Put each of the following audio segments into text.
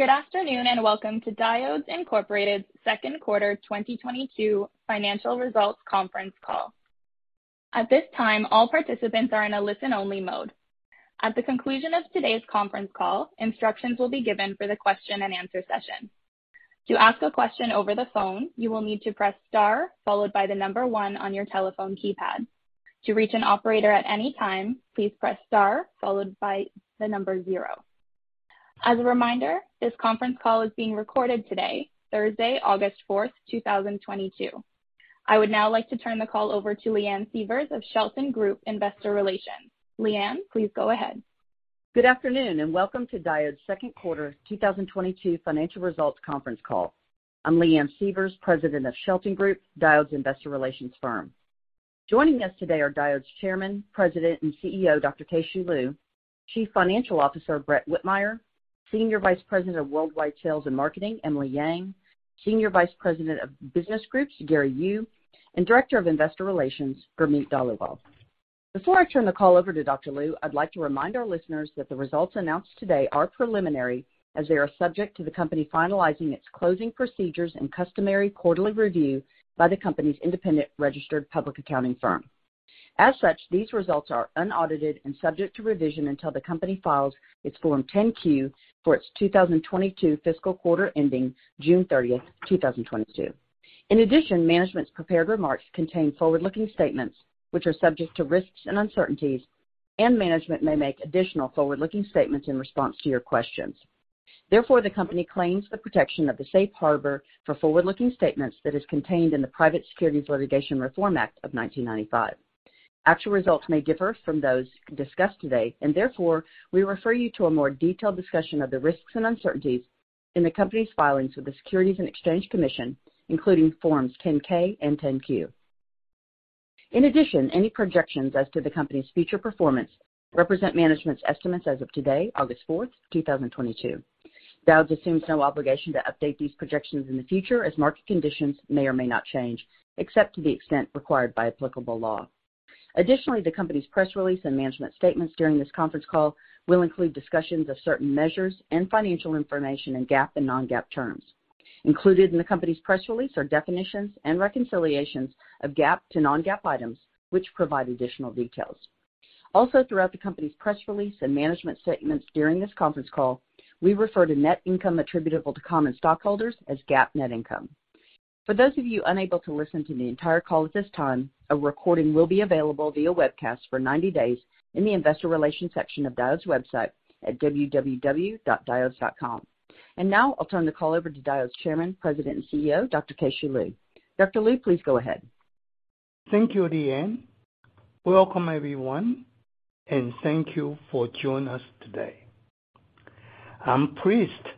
Good afternoon, and welcome to Diodes Incorporated second quarter 2022 financial results conference call. At this time, all participants are in a listen-only mode. At the conclusion of today's conference call, instructions will be given for the question and answer session. To ask a question over the phone, you will need to press star followed by the number one on your telephone keypad. To reach an operator at any time, please press star followed by the number zero. As a reminder, this conference call is being recorded today, Thursday, August 4, 2022. I would now like to turn the call over to Leanne Sievers of Shelton Group Investor Relations. Leanne, please go ahead. Good afternoon, and welcome to Diodes' second quarter 2022 financial results conference call. I'm Leanne Sievers, President of Shelton Group, Diodes investor relations firm. Joining us today are Diodes' Chairman, President, and CEO, Dr. Keh-Shew Lu, Chief Financial Officer, Brett Whitmire, Senior Vice President of Worldwide Sales and Marketing, Emily Yang, Senior Vice President of Business Groups, Gary Yu, and Director of Investor Relations, Gurmeet Dhaliwal. Before I turn the call over to Dr. Lu, I'd like to remind our listeners that the results announced today are preliminary as they are subject to the company's finalizing its closing procedures and customary quarterly review by the company's independent registered public accounting firm. As such, these results are unaudited and subject to revision until the company files its Form 10-Q for its 2022 fiscal quarter ending June 30, 2022. In addition, management's prepared remarks contain forward-looking statements which are subject to risks and uncertainties, and management may make additional forward-looking statements in response to your questions. Therefore, the company claims the protection of the safe harbor for forward-looking statements that is contained in the Private Securities Litigation Reform Act of 1995. Actual results may differ from those discussed today, and therefore, we refer you to a more detailed discussion of the risks and uncertainties in the company's filings with the Securities and Exchange Commission, including Forms 10-K and 10-Q. In addition, any projections as to the company's future performance represent management's estimates as of today, August 4, 2022. Diodes assumes no obligation to update these projections in the future as market conditions may or may not change, except to the extent required by applicable law. Additionally, the company's press release and management statements during this conference call will include discussions of certain measures and financial information in GAAP and non-GAAP terms. Included in the company's press release are definitions and reconciliations of GAAP to non-GAAP items, which provide additional details. Also, throughout the company's press release and management statements during this conference call, we refer to net income attributable to common stockholders as GAAP net income. For those of you unable to listen to the entire call at this time, a recording will be available via webcast for 90 days in the investor relations section of Diodes' website at www.diodes.com. Now, I'll turn the call over to Diodes Chairman, President, and CEO, Dr. Keh-Shew Lu. Dr. Lu, please go ahead. Thank you, Leanne. Welcome, everyone, and thank you for joining us today. I'm pleased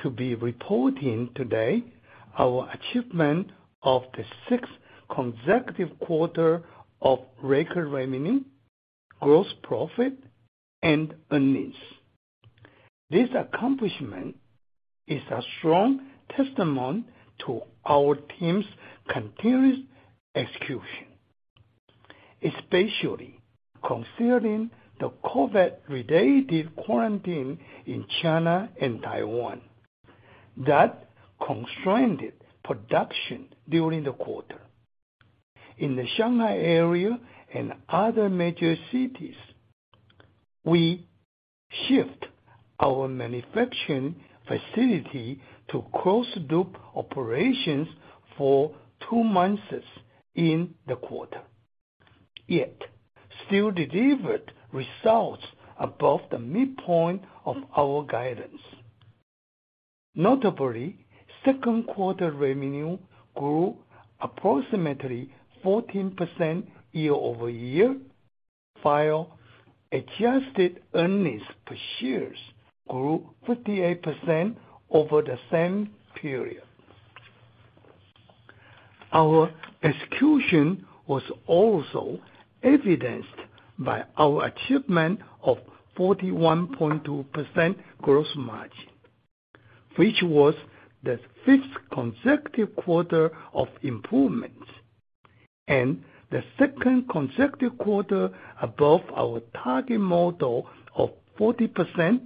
to be reporting today our achievement of the sixth consecutive quarter of record revenue, gross profit, and earnings. This accomplishment is a strong testament to our team's continuous execution, especially considering the COVID-related quarantine in China and Taiwan that constrained production during the quarter. In the Shanghai area and other major cities, we shifted our manufacturing facility to closed-loop operations for two months in the quarter, yet still delivered results above the midpoint of our guidance. Notably, second quarter revenue grew approximately 14% year-over-year, while adjusted earnings per share grew 58% over the same period. Our execution was also evidenced by our achievement of 41.2% gross margin, which was the fifth consecutive quarter of improvements and the second consecutive quarter above our target model of 40%,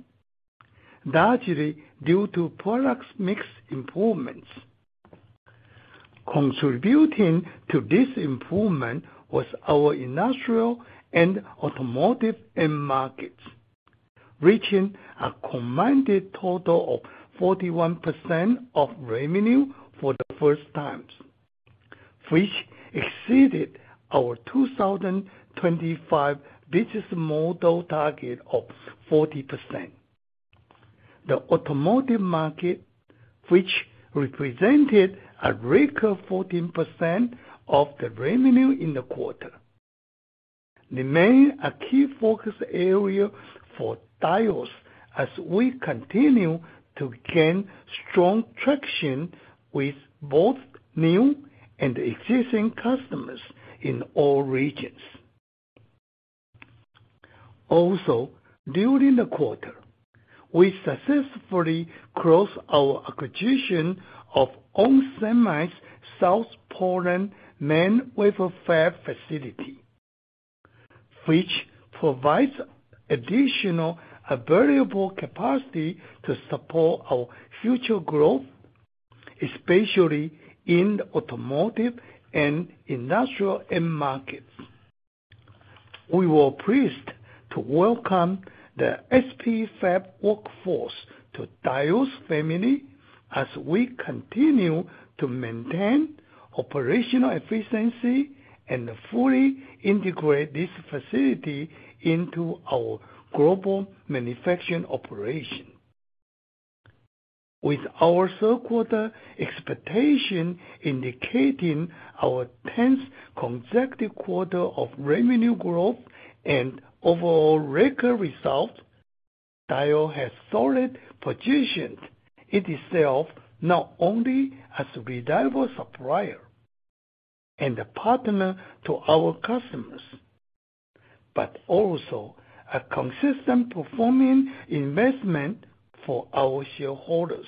largely due to product mix improvements. Contributing to this improvement was our industrial and automotive end markets, reaching a combined total of 41% of revenue for the first time, which exceeded our 2025 business model target of 40%. The automotive market, which represented a record 14% of the revenue in the quarter, remain a key focus area for Diodes as we continue to gain strong traction with both new and existing customers in all regions. Also, during the quarter, we successfully closed our acquisition of ON Semiconductor's South Portland, Maine wafer fab facility, which provides additional variable capacity to support our future growth, especially in the automotive and industrial end markets. We were pleased to welcome the SP Fab workforce to Diodes family as we continue to maintain operational efficiency and fully integrate this facility into our global manufacturing operation. With our third quarter expectation indicating our tenth consecutive quarter of revenue growth and overall record results, Diodes has solidly positioned itself not only as a reliable supplier and a partner to our customers, but also a consistent performing investment for our shareholders.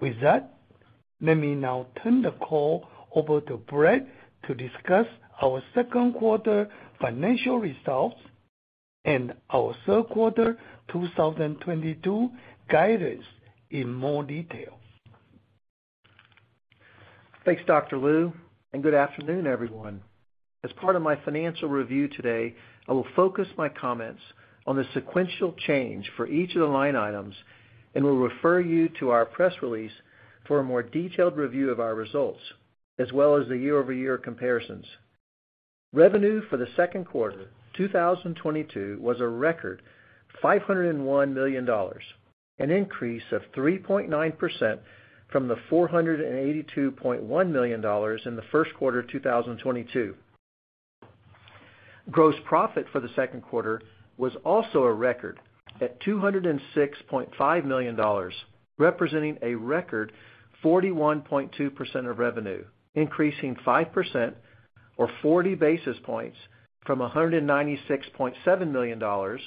With that, let me now turn the call over to Brett to discuss our second quarter financial results and our third quarter 2022 guidance in more detail. Thanks, Dr. Lu, and good afternoon, everyone. As part of my financial review today, I will focus my comments on the sequential change for each of the line items and will refer you to our press release for a more detailed review of our results as well as the year-over-year comparisons. Revenue for the second quarter 2022 was a record $501 million, an increase of 3.9% from the $482.1 million in the first quarter of 2022. Gross profit for the second quarter was also a record at $206.5 million, representing a record 41.2% of revenue, increasing 5% or 40 basis points from $196.7 million or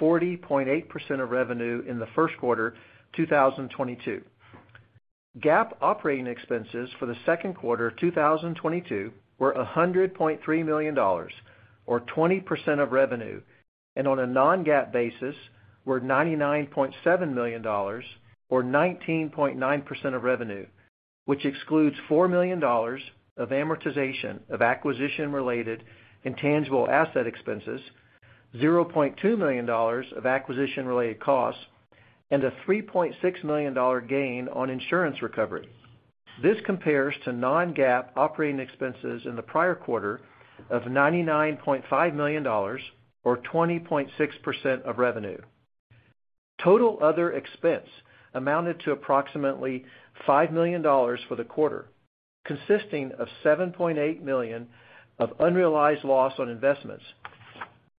40.8% of revenue in the first quarter of 2022. GAAP operating expenses for the second quarter of 2022 were $100.3 million or 20% of revenue, and on a non-GAAP basis were $99.7 million or 19.9% of revenue, which excludes $4 million of amortization of acquisition-related intangible asset expenses, $0.2 million of acquisition-related costs, and a $3.6 million gain on insurance recovery. This compares to non-GAAP operating expenses in the prior quarter of $99.5 million or 20.6% of revenue. Total other expense amounted to approximately $5 million for the quarter, consisting of $7.8 million of unrealized loss on investments,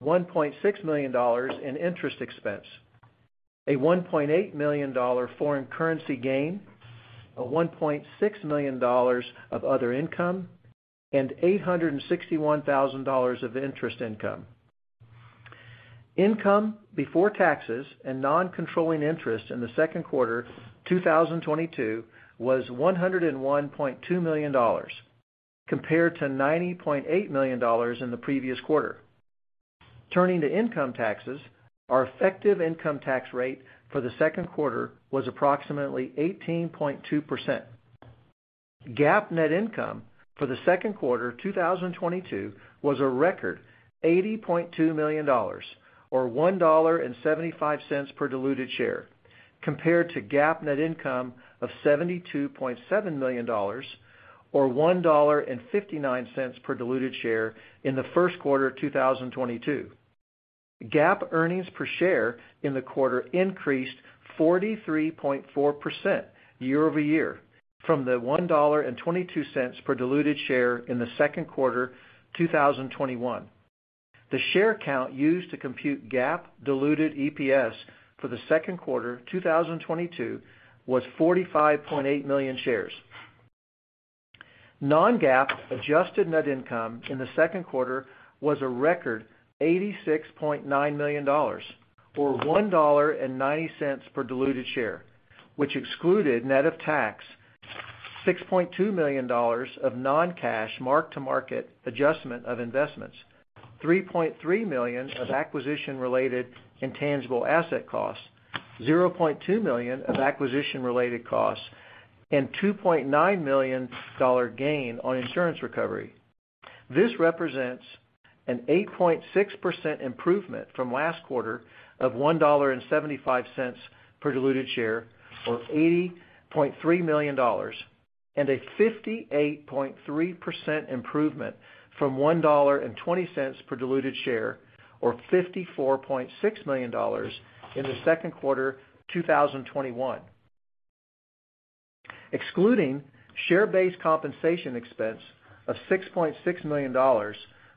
$1.6 million in interest expense, a $1.8 million foreign currency gain, $1.6 million of other income, and $861,000 of interest income. Income before taxes and non-controlling interest in the second quarter 2022 was $101.2 million compared to $90.8 million in the previous quarter. Turning to income taxes, our effective income tax rate for the second quarter was approximately 18.2%. GAAP net income for the second quarter 2022 was a record $80.2 million or $1.75 per diluted share, compared to GAAP net income of $72.7 million or $1.59 per diluted share in the first quarter of 2022. GAAP earnings per share in the quarter increased 43.4% year-over-year from the $1.22 per diluted share in the second quarter 2021. The share count used to compute GAAP diluted EPS for the second quarter 2022 was 45.8 million shares. Non-GAAP adjusted net income in the second quarter was a record $86.9 million or $1.90 per diluted share, which excluded net of tax $6.2 million of non-cash mark-to-market adjustment of investments, $3.3 million of acquisition-related intangible asset costs, $0.2 million of acquisition-related costs, and $2.9 million dollar gain on insurance recovery. This represents an 8.6% improvement from last quarter of $1.75 per diluted share or $80.3 million and a 58.3% improvement from $1.20 per diluted share or $54.6 million in the second quarter of 2021. Excluding share-based compensation expense of $6.6 million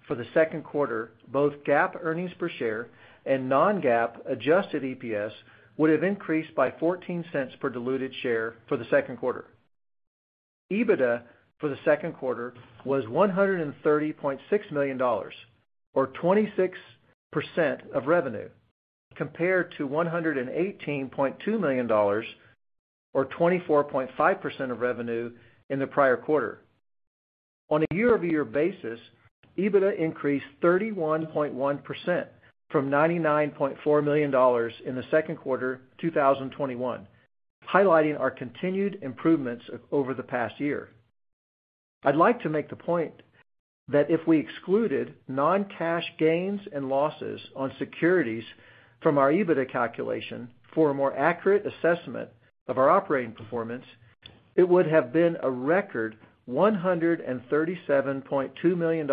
for the second quarter, both GAAP earnings per share and non-GAAP adjusted EPS would have increased by $0.14 per diluted share for the second quarter. EBITDA for the second quarter was $130.6 million or 26% of revenue, compared to $118.2 million or 24.5% of revenue in the prior quarter. On a year-over-year basis, EBITDA increased 31.1% from $99.4 million in the second quarter 2021, highlighting our continued improvements over the past year. I'd like to make the point that if we excluded non-cash gains and losses on securities from our EBITDA calculation for a more accurate assessment of our operating performance, it would have been a record $137.2 million,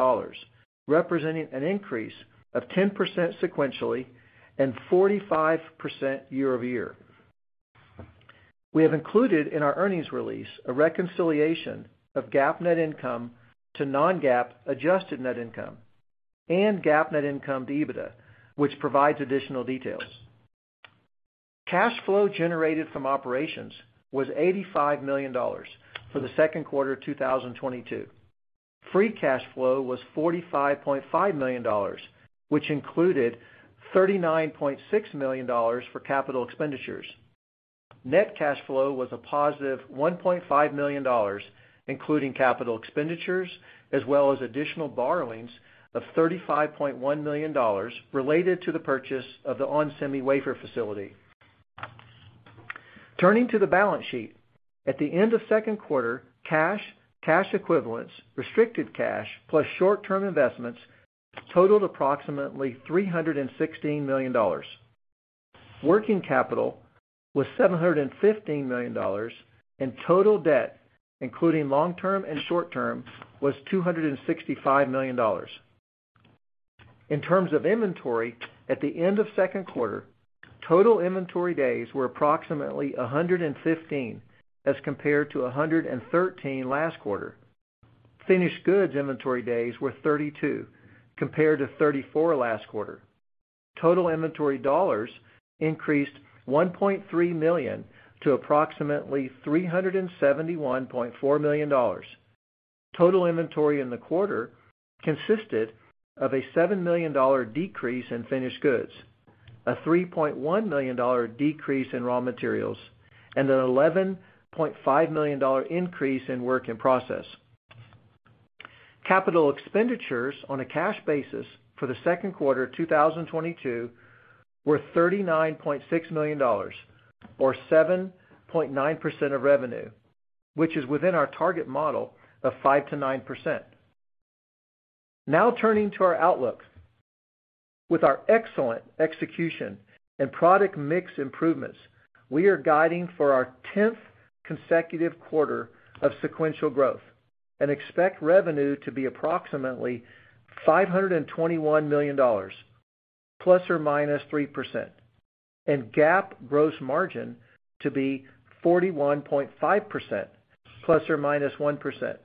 representing an increase of 10% sequentially and 45% year-over-year. We have included in our earnings release a reconciliation of GAAP net income to non-GAAP adjusted net income and GAAP net income to EBITDA, which provides additional details. Cash flow generated from operations was $85 million for the second quarter of 2022. Free cash flow was $45.5 million, which included $39.6 million for capital expenditures. Net cash flow was a positive $1.5 million, including capital expenditures, as well as additional borrowings of $35.1 million related to the purchase of the onsemi wafer facility. Turning to the balance sheet. At the end of second quarter, cash equivalents, restricted cash plus short-term investments totaled approximately $316 million. Working capital was $715 million, and total debt, including long-term and short-term, was $265 million. In terms of inventory, at the end of second quarter, total inventory days were approximately 115, as compared to 113 last quarter. Finished goods inventory days were 32, compared to 34 last quarter. Total inventory dollars increased $1.3 million to approximately $371.4 million. Total inventory in the quarter consisted of a $7 million decrease in finished goods, a $3.1 million decrease in raw materials, and an $11.5 million increase in work in process. Capital expenditures on a cash basis for the second quarter 2022 were $39.6 million or 7.9% of revenue, which is within our target model of 5%-9%. Now turning to our outlook. With our excellent execution and product mix improvements, we are guiding for our 10th consecutive quarter of sequential growth and expect revenue to be approximately $521 million ±3%, and GAAP gross margin to be 41.5% ±1%.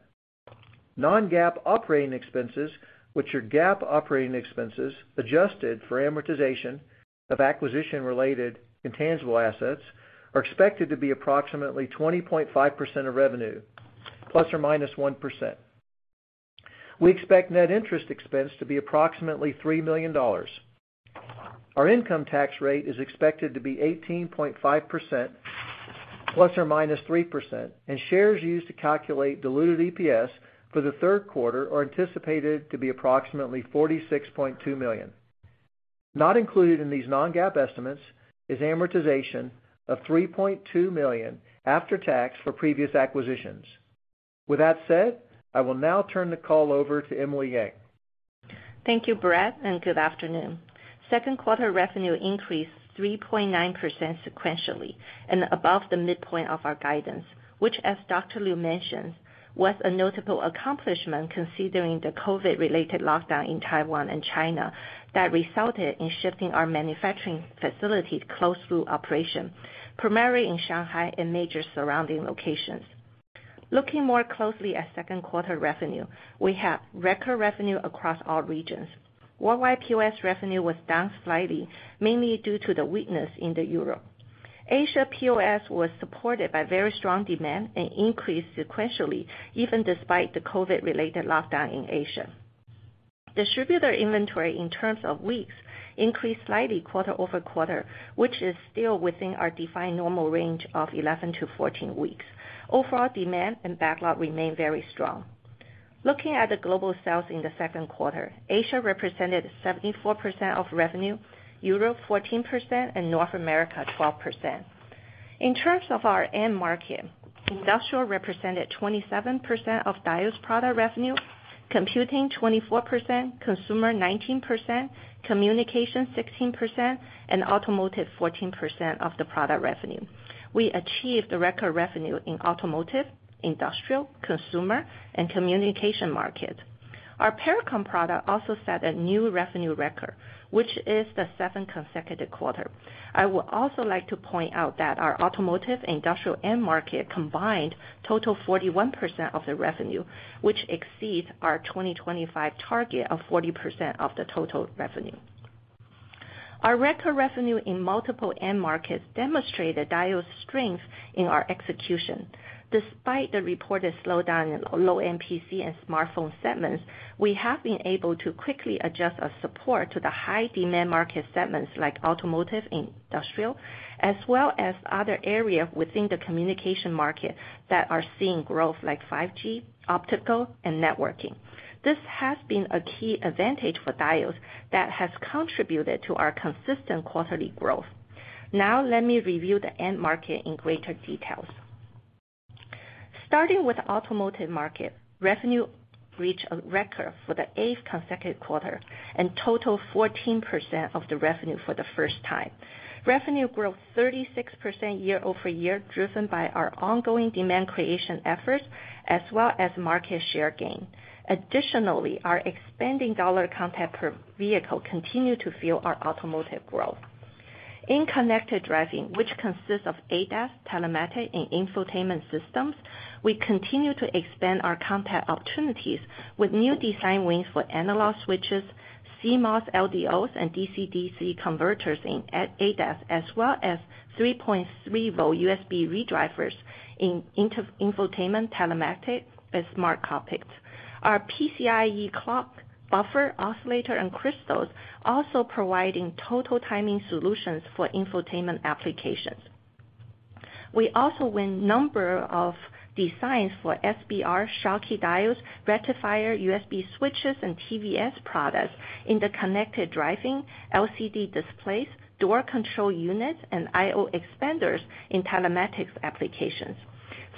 Non-GAAP operating expenses, which are GAAP operating expenses adjusted for amortization of acquisition-related intangible assets, are expected to be approximately 20.5% of revenue ±1%. We expect net interest expense to be approximately $3 million. Our income tax rate is expected to be 18.5% ±3%, and shares used to calculate diluted EPS for the third quarter are anticipated to be approximately 46.2 million. Not included in these non-GAAP estimates is amortization of $3.2 million after tax for previous acquisitions. With that said, I will now turn the call over to Emily Yang. Thank you, Brett, and good afternoon. Second quarter revenue increased 3.9% sequentially and above the midpoint of our guidance, which, as Dr. Lu mentioned, was a notable accomplishment considering the COVID-related lockdown in Taiwan and China that resulted in shutting our manufacturing facilities, closing operations, primarily in Shanghai and major surrounding locations. Looking more closely at second quarter revenue, we have record revenue across all regions. Worldwide POS revenue was down slightly, mainly due to the weakness in Europe. Asia POS was supported by very strong demand and increased sequentially, even despite the COVID-related lockdown in Asia. Distributor inventory in terms of weeks increased slightly quarter-over-quarter, which is still within our defined normal range of 11-14 weeks. Overall demand and backlog remain very strong. Looking at the global sales in the second quarter, Asia represented 74% of revenue, Europe 14%, and North America 12%. In terms of our end market, industrial represented 27% of Diodes' product revenue, computing 24%, consumer 19%, communication 16%, and automotive 14% of the product revenue. We achieved the record revenue in automotive, industrial, consumer, and communication market. Our Pericom product also set a new revenue record, which is the 7th consecutive quarter. I would also like to point out that our automotive industrial end market combined total 41% of the revenue, which exceeds our 2025 target of 40% of the total revenue. Our record revenue in multiple end markets demonstrated Diodes' strength in our execution. Despite the reported slowdown in low-end PC and smartphone segments, we have been able to quickly adjust our support to the high demand market segments like automotive and industrial, as well as other areas within the communication market that are seeing growth like 5G, optical and networking. This has been a key advantage for Diodes that has contributed to our consistent quarterly growth. Now let me review the end markets in greater detail. Starting with automotive market, revenue reached a record for the eighth consecutive quarter and totaled 14% of the revenue for the first time. Revenue grew 36% year-over-year, driven by our ongoing demand creation efforts as well as market share gain. Additionally, our expanding dollar content per vehicle continued to fuel our automotive growth. In connected driving, which consists of ADAS, telematics, and infotainment systems, we continue to expand our content opportunities with new design wins for analog switches, CMOS, LDOs, and DC-DC converters in ADAS, as well as 3.3-volt USB ReDrivers in infotainment, telematics, and smart cockpits. Our PCIe clock buffer oscillator and crystals also providing total timing solutions for infotainment applications. We also win number of designs for SBR Schottky diodes, rectifier, USB switches, and TVS products in the connected driving, LCD displays, door control units, and I/O expanders in telematics applications.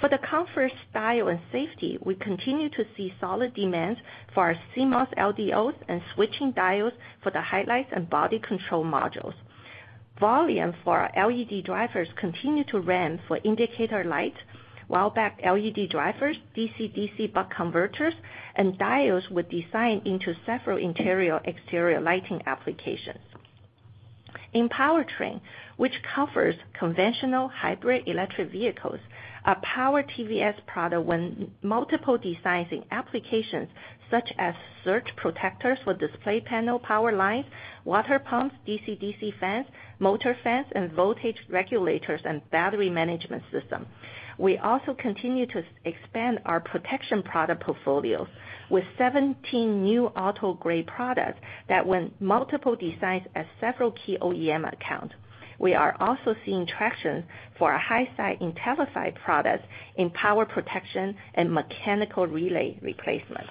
For the comfort, style, and safety, we continue to see solid demands for our CMOS, LDOs and switching diodes for the headlights and body control modules. Volume for our LED drivers continue to ramp for indicator lights, while backlight LED drivers, DC-DC buck converters, and diodes were designed into several interior, exterior lighting applications. In powertrain, which covers conventional hybrid electric vehicles, our power TVS product won multiple designs in applications such as surge protectors for display panel power lines, water pumps, DC/DC fans, motor fans, and voltage regulators and battery management system. We also continue to expand our protection product portfolios with 17 new auto-grade products that won multiple designs at several key OEM accounts. We are also seeing traction for our high-side and low-side products in power protection and mechanical relay replacement.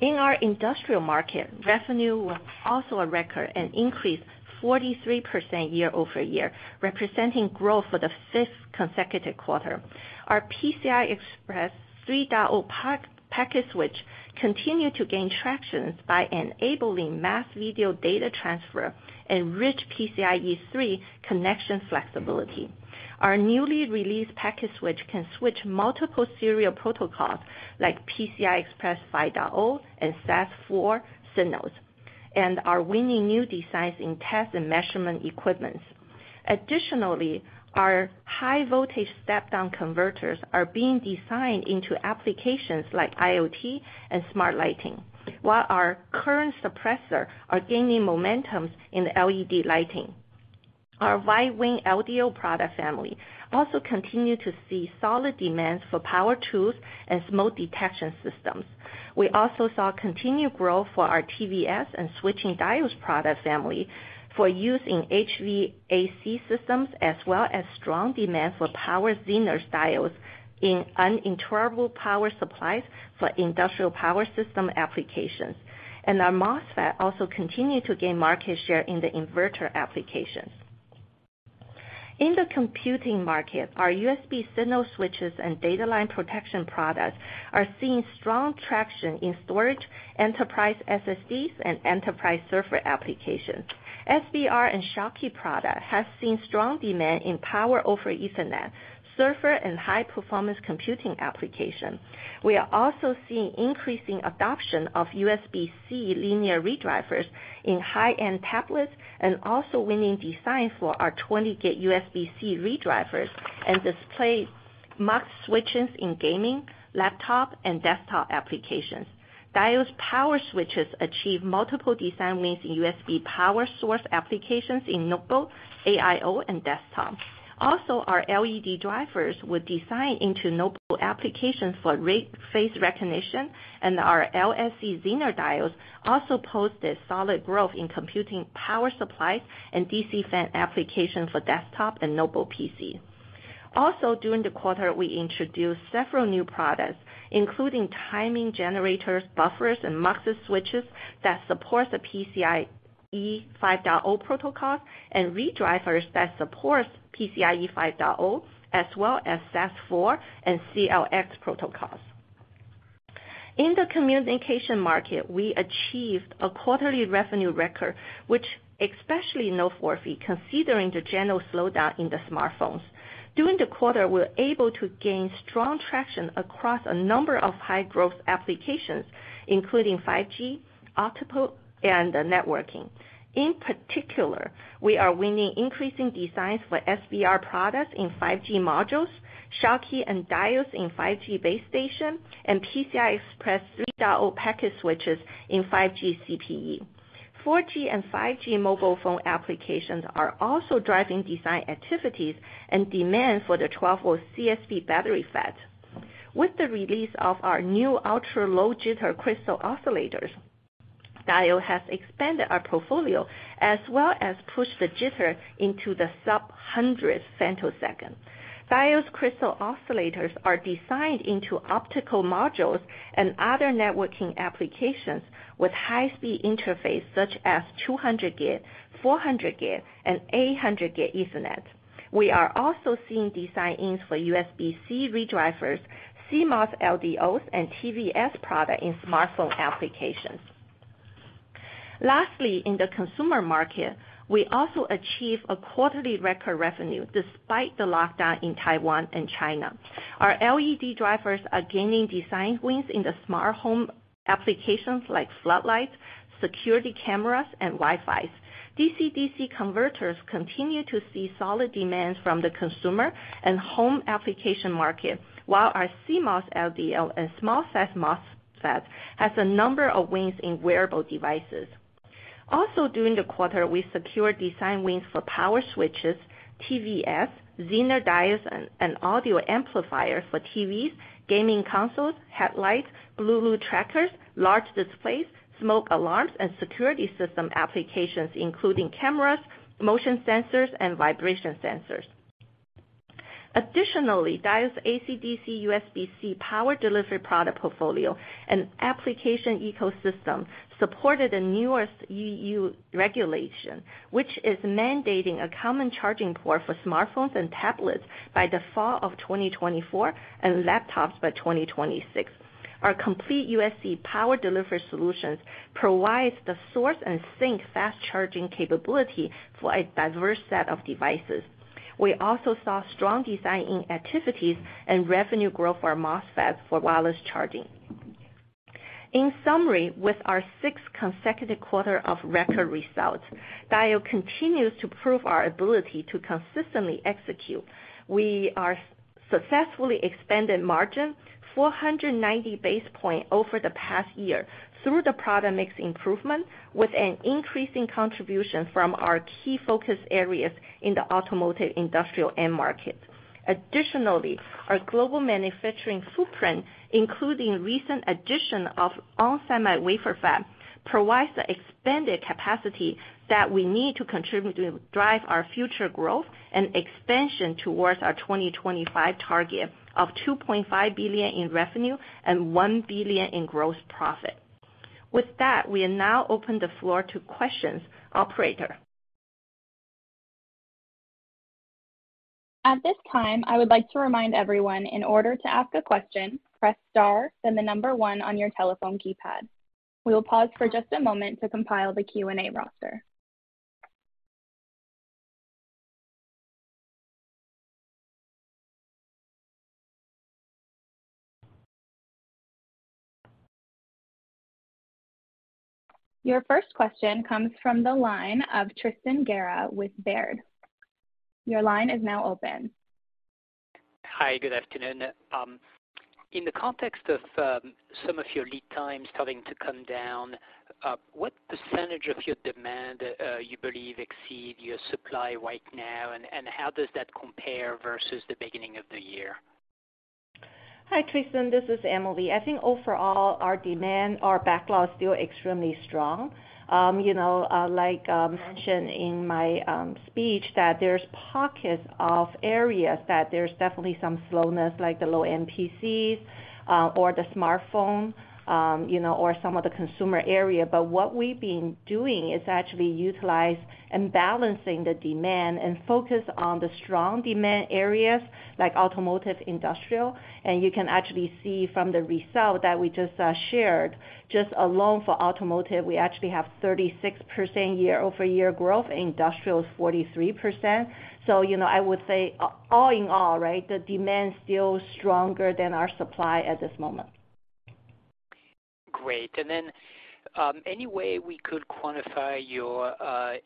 In our industrial market, revenue was also a record and increased 43% year-over-year, representing growth for the fifth consecutive quarter. Our PCI Express 3.0 packet switch continued to gain traction by enabling massive video data transfer and rich PCIe 3 connection flexibility. Our newly released packet switch can switch multiple serial protocols like PCI Express 5.0 and SAS-4 signals, and are winning new designs in test and measurement equipment. Additionally, our high voltage step-down converters are being designed into applications like IoT and smart lighting, while our current suppressor are gaining momentums in the LED lighting. Our wide VIN LDO product family also continue to see solid demands for power tools and smoke detection systems. We also saw continued growth for our TVS and switching diodes product family for use in HVAC systems, as well as strong demand for power Zener diodes in uninterruptible power supplies for industrial power system applications. Our MOSFET also continued to gain market share in the inverter applications. In the computing market, our USB signal switches and data line protection products are seeing strong traction in storage, enterprise SSDs, and enterprise server applications. SBR and Schottky products have seen strong demand in Power over Ethernet, server and high-performance computing applications. We are also seeing increasing adoption of USB-C linear redrivers in high-end tablets, and also winning designs for our 20 GB USB-C redrivers and display mux switches in gaming, laptop, and desktop applications. Diodes power switches achieve multiple design wins in USB power source applications in notebook, AIO, and desktop. Our LED drivers were designed into notebook applications for facial recognition, and our ESD Zener diodes also posted solid growth in computing power supply and DC fan applications for desktop and notebook PC. During the quarter, we introduced several new products, including timing generators, buffers, and mux switches that support the PCIe 5.0 protocol and redrivers that support PCIe 5.0, as well as SAS-4 and CXL protocols. In the communication market, we achieved a quarterly revenue record, which especially noteworthy considering the general slowdown in the smartphones. During the quarter, we're able to gain strong traction across a number of high-growth applications, including 5G, optical, and networking. In particular, we are winning increasing designs for SBR products in 5G modules, Schottky diodes in 5G base station, and PCI Express 3.0 packet switches in 5G CPE. 4G and 5G mobile phone applications are also driving design activities and demand for the 12-volt CSFET battery FET. With the release of our new ultra-low jitter crystal oscillators, Diodes has expanded our portfolio as well as pushed the jitter into the sub-100 femtosecond. Diodes crystal oscillators are designed into optical modules and other networking applications with high-speed interface such as 200 GB, 400 GB, and 800 GB Ethernet. We are also seeing design-ins for USB-C ReDrivers, CMOS, LDOs, and TVS product in smartphone applications. Lastly, in the consumer market, we also achieve a quarterly record revenue despite the lockdown in Taiwan and China. Our LED drivers are gaining design wins in the smart home applications like floodlights, security cameras, and Wi-Fis. DC-DC converters continue to see solid demands from the consumer and home application market, while our CMOS, LDO, and small-signal MOSFET has a number of wins in wearable devices. Also, during the quarter, we secured design wins for power switches, TVS, Zener diodes, and audio amplifiers for TVs, gaming consoles, headlights, Bluetooth trackers, large displays, smoke alarms, and security system applications, including cameras, motion sensors, and vibration sensors. Additionally, Diodes AC-DC USB-C power delivery product portfolio and application ecosystem supported the newest EU regulation, which is mandating a common charging port for smartphones and tablets by the fall of 2024 and laptops by 2026. Our complete USB power delivery solutions provides the source and sink fast charging capability for a diverse set of devices. We also saw strong design activities and revenue growth for MOSFET for wireless charging. In summary, with our sixth consecutive quarter of record results, Diodes continues to prove our ability to consistently execute. We are successfully expanding margin 490 basis points over the past year through the product mix improvement with an increasing contribution from our key focus areas in the automotive industrial end market. Additionally, our global manufacturing footprint, including recent addition of onsemi wafer fab, provides the expanded capacity that we need to contribute to drive our future growth and expansion towards our 2025 target of $2.5 billion in revenue and $1 billion in gross profit. With that, we will now open the floor to questions. Operator? At this time, I would like to remind everyone, in order to ask a question, press star then the number one on your telephone keypad. We will pause for just a moment to compile the Q&A roster. Your first question comes from the line of Tristan Gerra with Baird. Your line is now open. Hi, good afternoon. In the context of some of your lead times starting to come down, what percentage of your demand you believe exceed your supply right now, and how does that compare versus the beginning of the year? Hi, Tristan Gerra, this is Emily Yang. I think overall, our demand or backlog is still extremely strong. You know, like, mentioned in my speech, that there's pockets of areas that there's definitely some slowness, like the low-end PCs, or the smartphone, you know, or some of the consumer area. What we've been doing is actually utilize and balancing the demand and focus on the strong demand areas like automotive, industrial. You can actually see from the result that we just shared, just alone for automotive, we actually have 36% year-over-year growth. Industrial is 43%. You know, I would say all in all, right, the demand is still stronger than our supply at this moment. Great. Any way we could quantify your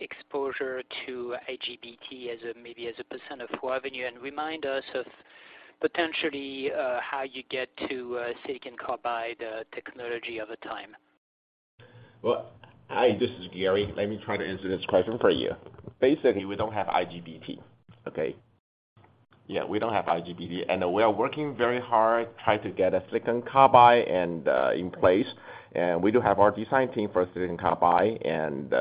exposure to IGBT, maybe as a % of revenue, and remind us of potentially how you get to silicon carbide technology over time. Well, hi, this is Gary. Let me try to answer this question for you. Basically, we don't have IGBT. Okay? Yeah, we don't have IGBT, and we are working very hard trying to get a silicon carbide and in place. We do have our design team for silicon carbide, and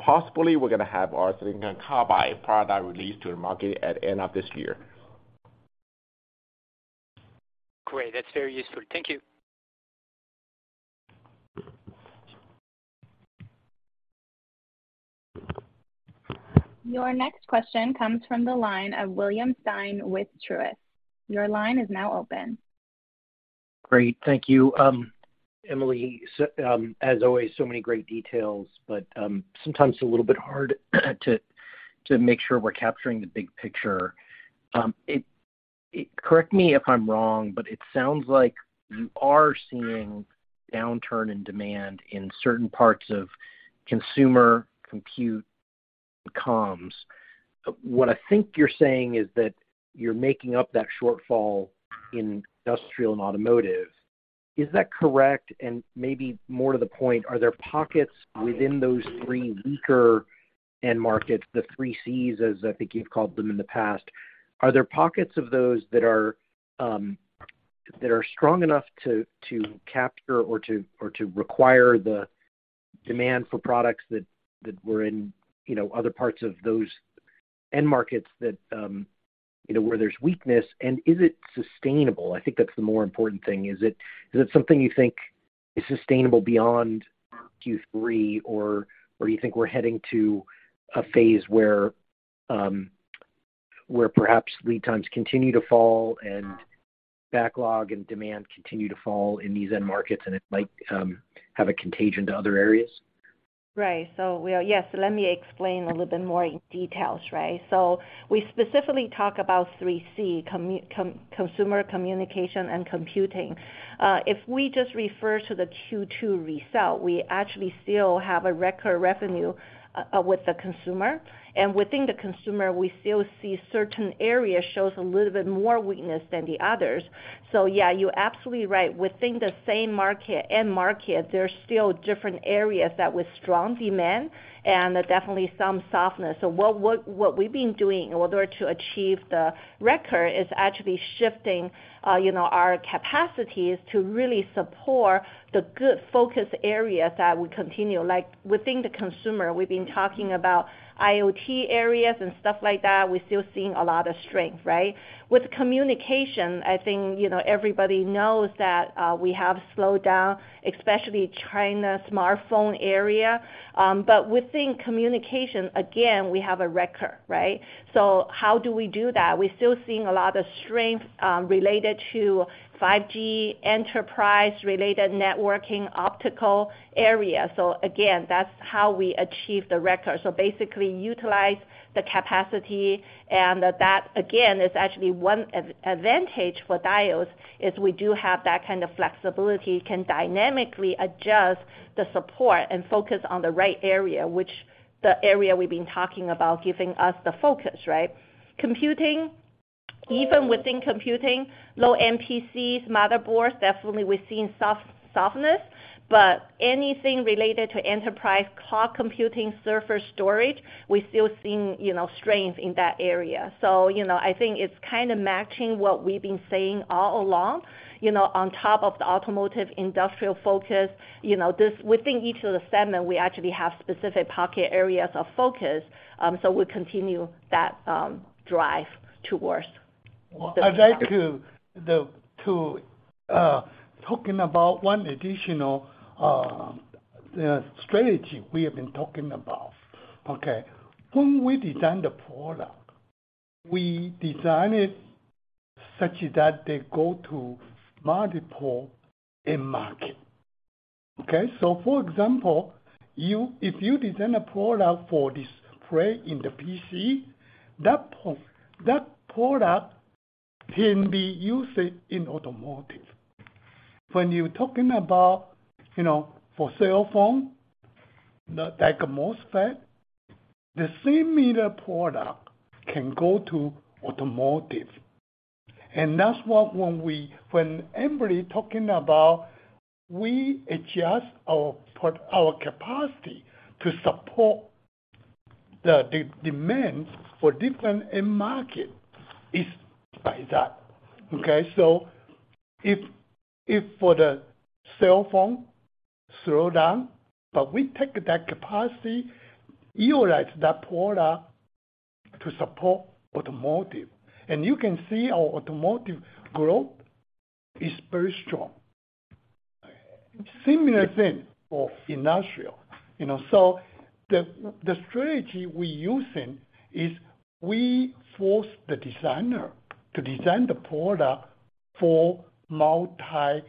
possibly we're gonna have our silicon carbide product released to the market at end of this year. Great. That's very useful. Thank you. Your next question comes from the line of William Stein with Truist. Your line is now open. Great. Thank you. Emily, as always, so many great details, but sometimes a little bit hard to make sure we're capturing the big picture. Correct me if I'm wrong, but it sounds like you are seeing downturn in demand in certain parts of consumer computing. What I think you're saying is that you're making up that shortfall in industrial and automotive. Is that correct? And maybe more to the point, are there pockets within those three weaker end markets, the three Cs, as I think you've called them in the past, are there pockets of those that are strong enough to capture or to require the demand for products that were in, you know, other parts of those end markets that, you know, where there's weakness? And is it sustainable? I think that's the more important thing. Is it something you think is sustainable beyond Q3, or you think we're heading to a phase where perhaps lead times continue to fall and backlog and demand continue to fall in these end markets, and it might have a contagion to other areas? Right. Yes, let me explain a little bit more in detail, right? We specifically talk about three Cs, consumer, communication and computing. If we just refer to the Q2 result, we actually still have a record revenue with the consumer. Within the consumer, we still see certain areas shows a little bit more weakness than the others. Yeah, you're absolutely right. Within the same market, end market, there's still different areas that with strong demand and definitely some softness. What we've been doing in order to achieve the record is actually shifting, you know, our capacities to really support the good focus areas that will continue. Like within the consumer, we've been talking about IoT areas and stuff like that, we're still seeing a lot of strength, right? With communication, I think, you know, everybody knows that we have slowed down, especially China smartphone area. But within communication, again, we have a record, right? So how do we do that? We're still seeing a lot of strength related to 5G enterprise-related networking, optical area. So again, that's how we achieve the record. So basically utilize the capacity, and that again is actually one advantage for Diodes, is we do have that kind of flexibility, can dynamically adjust the support and focus on the right area, which the area we've been talking about giving us the focus, right? Computing, even within computing, low-end PCs, motherboards, definitely we're seeing softness. But anything related to enterprise cloud computing, server storage, we're still seeing, you know, strength in that area. So, you know, I think it's kind of matching what we've been saying all along. You know, on top of the automotive industrial focus, you know, this within each of the segment, we actually have specific pocket areas of focus, so we continue that drive towards. I'd like to talk about one additional strategy we have been talking about, okay? When we design the product, we design it such that they go to multiple end market, okay? For example, if you design a product for display in the PC, that product can be used in automotive. When you're talking about, you know, for cell phone, like a MOSFET, the same product can go to automotive. That's what when Emily talking about we adjust our capacity to support the demand for different end market is by that, okay? If for the cell phone slow down, but we take that capacity, utilize that product to support automotive. You can see our automotive growth is very strong. Similar thing for industrial, you know. The strategy we're using is we force the designer to design the product for multi-market.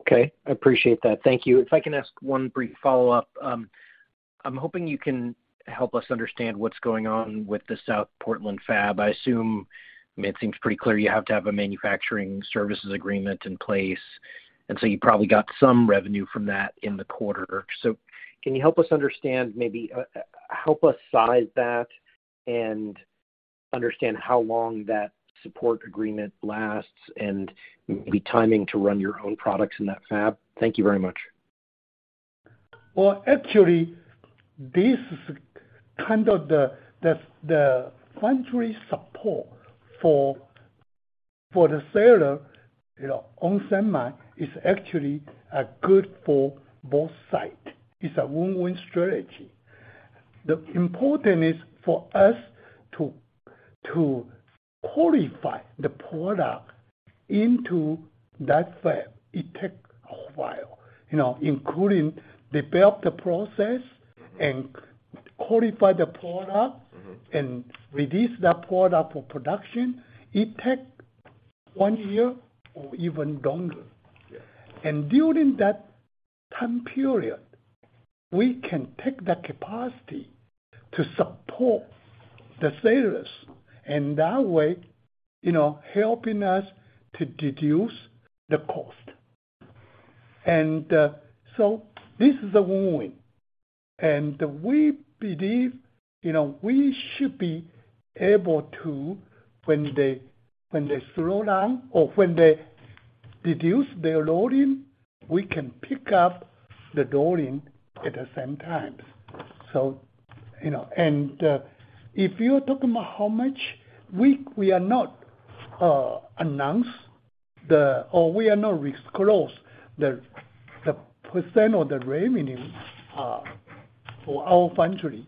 Okay. I appreciate that. Thank you. If I can ask one brief follow-up. I'm hoping you can help us understand what's going on with the South Portland fab. I assume, I mean, it seems pretty clear you have to have a manufacturing services agreement in place, and so you probably got some revenue from that in the quarter. Can you help us understand, maybe, help us size that and understand how long that support agreement lasts and maybe timing to run your own products in that fab? Thank you very much. Well, actually, this is kind of the foundry support for the seller, you know, onsemi is actually good for both sides. It's a win-win strategy. The important is for us to qualify the product into that fab. It takes a while, you know, including develop the process. Mm-hmm. Qualify the product- Mm-hmm. Release that product for production. It take one year or even longer. Yeah. During that time period, we can take that capacity to support the sellers. That way, you know, helping us to reduce the cost. This is a win-win. We believe, you know, we should be able to when they slow down or when they reduce their loading, we can pick up the loading at the same time. You know. If you're talking about how much, we are not announce or disclose the percent of the revenue for our foundry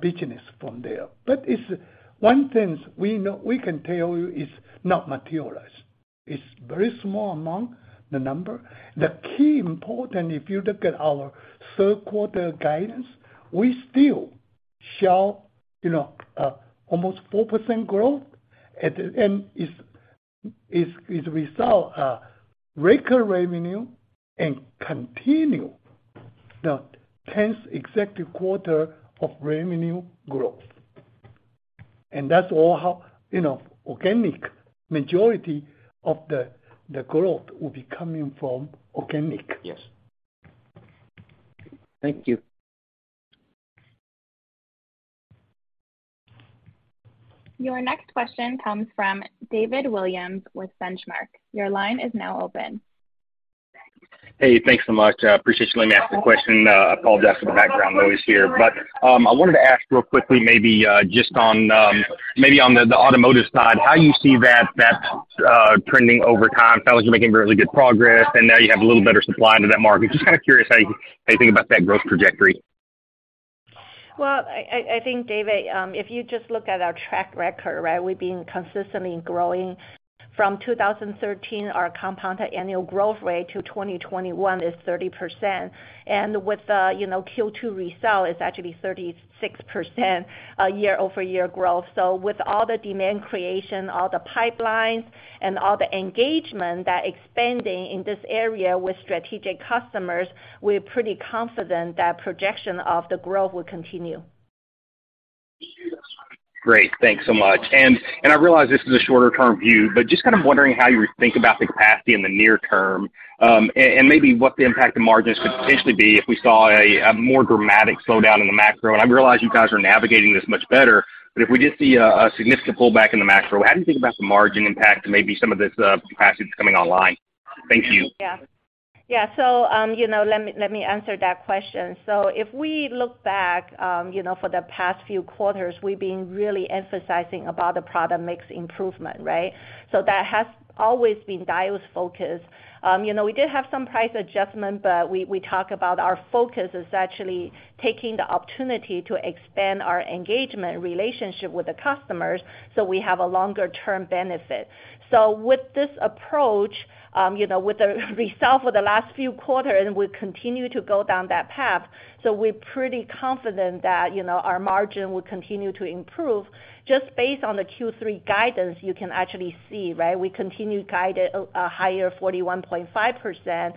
business from there. But it's one thing we know we can tell you is not material. It's very small amount, the number. The key important, if you look at our third quarter guidance, we still show, you know, almost 4% growth. Record revenue and continue the tenth consecutive quarter of revenue growth. That's all, you know, organic. Majority of the growth will be coming from organic. Yes. Thank you. Your next question comes from David Williams with Benchmark. Your line is now open. Hey, thanks so much. I appreciate you letting me ask the question. Apologize for the background noise here. I wanted to ask real quickly, maybe just on, maybe on the automotive side, how you see that trending over time. Felt like you're making really good progress, and now you have a little better supply into that market. Just kind of curious how you think about that growth trajectory. Well, I think, David, if you just look at our track record, right? We've been consistently growing from 2013, our compounded annual growth rate to 2021 is 30%. With the, you know, Q2 result, it's actually 36% year-over-year growth. With all the demand creation, all the pipelines, and all the engagement that expanding in this area with strategic customers, we're pretty confident that projection of the growth will continue. Great. Thanks so much. I realize this is a short-term view, but just kind of wondering how you think about the capacity in the near term, and maybe what the impact to margins could potentially be if we saw a more dramatic slowdown in the macro. I realize you guys are navigating this much better, but if we did see a significant pullback in the macro, how do you think about the margin impact to maybe some of this capacity that's coming online? Thank you. Yeah, you know, let me answer that question. If we look back, you know, for the past few quarters, we've been really emphasizing about the product mix improvement, right? That has always been Diodes' focus. You know, we did have some price adjustment, but we talk about our focus is actually taking the opportunity to expand our engagement relationship with the customers, so we have a longer term benefit. With this approach, you know, with the result for the last few quarters, and we continue to go down that path. We're pretty confident that, you know, our margin will continue to improve. Just based on the Q3 guidance, you can actually see, right? We continue to guide a higher 41.5%,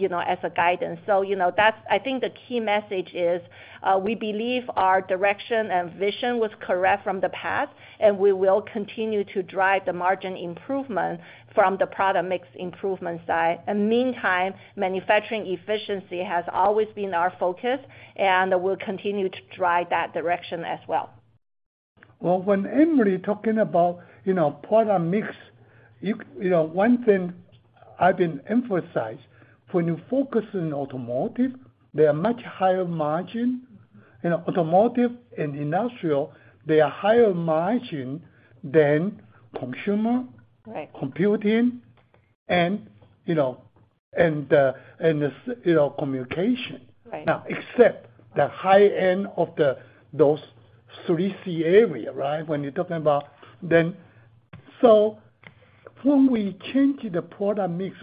you know, as a guidance. You know, that's, I think the key message is, we believe our direction and vision was correct from the past, and we will continue to drive the margin improvement from the product mix improvement side. Meantime, manufacturing efficiency has always been our focus, and we'll continue to drive that direction as well. Well, when Emily talking about, you know, product mix, you know, one thing I've been emphasize, when you focus on automotive, they are much higher margin. You know, automotive and industrial, they are higher margin than consumer. Right. computing and, you know, this communication. Right. Now, except the high end of the, those three C area, right? When you're talking about then. When we change the product mix,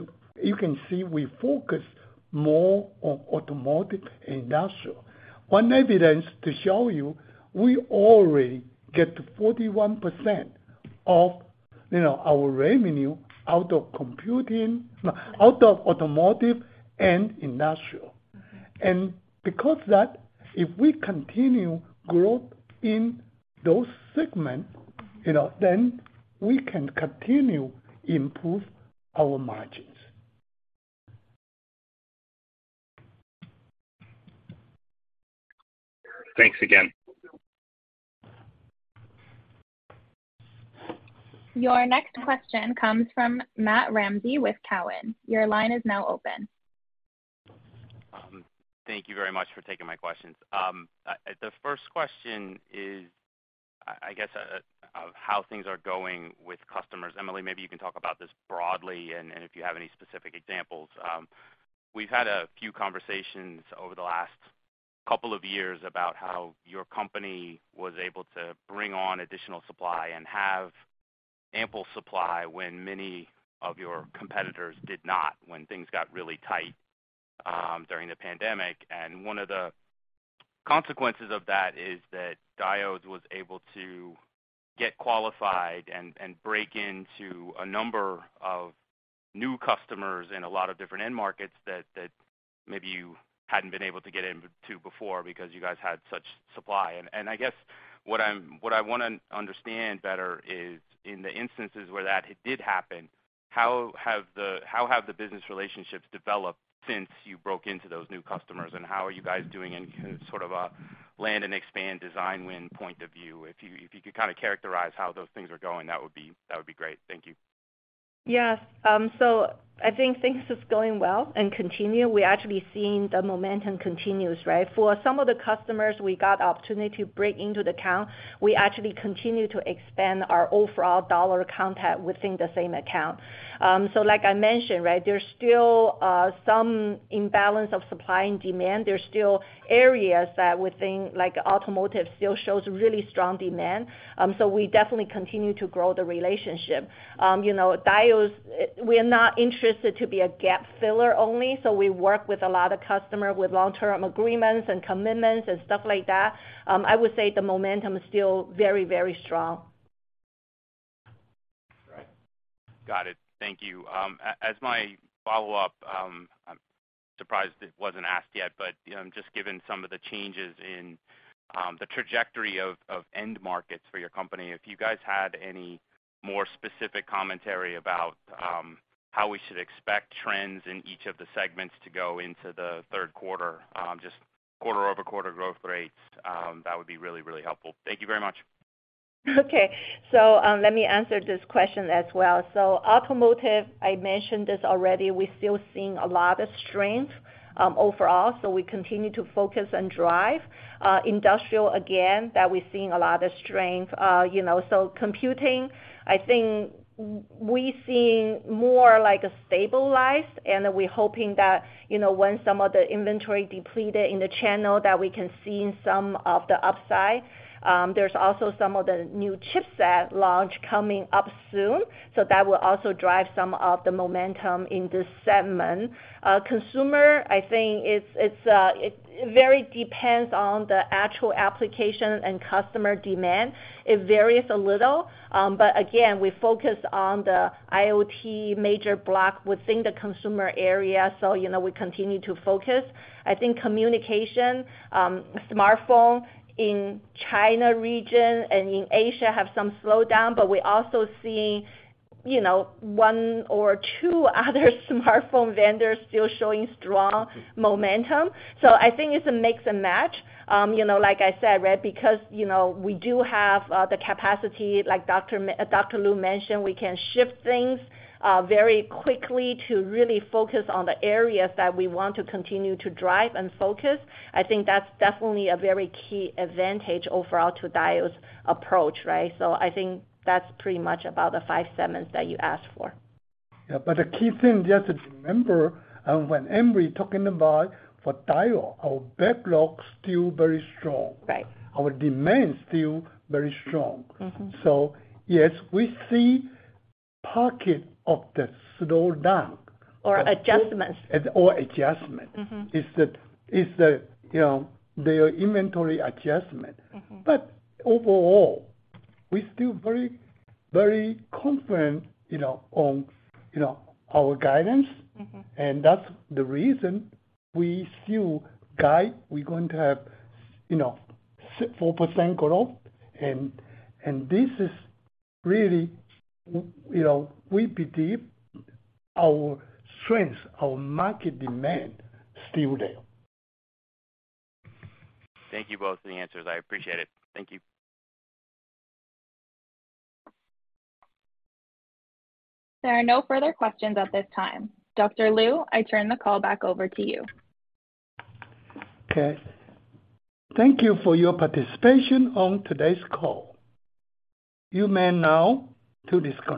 you can see we focus more on automotive and industrial. One evidence to show you, we already get 41% of, you know, our revenue out of automotive and industrial. Mm-hmm. Because of that, if we continue growth in those segments, you know, then we can continue to improve our margins. Thanks again. Your next question comes from Matthew Ramsay with TD Cowen. Your line is now open. Thank you very much for taking my questions. The first question is, I guess, of how things are going with customers. Emily, maybe you can talk about this broadly and if you have any specific examples. We've had a few conversations over the last couple of years about how your company was able to bring on additional supply and have ample supply when many of your competitors did not, when things got really tight, during the pandemic. One of the consequences of that is that Diodes was able to get qualified and break into a number of new customers in a lot of different end markets that maybe you hadn't been able to get into before because you guys had such supply. I guess what I wanna understand better is in the instances where that did happen, how have the business relationships developed since you broke into those new customers? How are you guys doing in sort of a land and expand design win point of view? If you could kinda characterize how those things are going, that would be great. Thank you. Yes. I think things is going well and continue. We're actually seeing the momentum continues, right? For some of the customers we got opportunity to break into the account, we actually continue to expand our overall dollar content within the same account. Like I mentioned, right, there's still some imbalance of supply and demand. There's still areas that we think, like automotive still shows really strong demand, so we definitely continue to grow the relationship. You know, Diodes, we're not interested to be a gap filler only, so we work with a lot of customer with long-term agreements and commitments and stuff like that. I would say the momentum is still very, very strong. Right. Got it. Thank you. As my follow-up, I'm surprised it wasn't asked yet, but, you know, just given some of the changes in the trajectory of end markets for your company, if you guys had any more specific commentary about how we should expect trends in each of the segments to go into the third quarter, just quarter-over-quarter growth rates, that would be really, really helpful. Thank you very much. Okay. Let me answer this question as well. Automotive, I mentioned this already, we're still seeing a lot of strength overall, so we continue to focus and drive. Industrial, again, we're seeing a lot of strength. You know, computing, I think we're seeing more like a stabilized, and we're hoping that, you know, when some of the inventory depleted in the channel, that we can see some of the upside. There's also some of the new chipset launch coming up soon, so that will also drive some of the momentum in this segment. Consumer, I think it varies on the actual application and customer demand. It varies a little, but again, we focus on the IoT major block within the consumer area, so, you know, we continue to focus. I think communication, smartphone in China region and in Asia have some slowdown, but we're also seeing, you know, one or two other smartphone vendors still showing strong momentum. I think it's a mix and match. You know, like I said, right, because, you know, we do have, the capacity, like Dr. Lu mentioned, we can shift things, very quickly to really focus on the areas that we want to continue to drive and focus. I think that's definitely a very key advantage overall to Diodes approach, right? I think that's pretty much about the five segments that you asked for. Yeah, the key thing just to remember, when Emily talking about for Diodes, our backlog still very strong. Right. Our demand still very strong. Mm-hmm. Yes, we see pockets of the slowdown. Adjustments. Adjustment. Mm-hmm. Is the you know, their inventory adjustment? Mm-hmm. Overall, we still very, very confident, you know, on, you know, our guidance. Mm-hmm. That's the reason we still guide. We're going to have, you know, 4% growth and this is really, we know, we believe our strength, our market demand still there. Thank you both for the answers. I appreciate it. Thank you. There are no further questions at this time. Dr. Lu, I turn the call back over to you. Okay. Thank you for your participation on today's call. You may now disconnect.